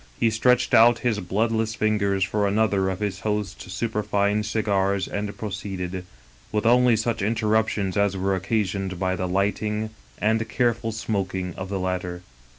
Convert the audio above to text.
He stretched out his bloodless fingers for another of his host's superfine cigars and proceeded, with only such in terruptions as were occasioned by the lighting and careful smoking of the latter.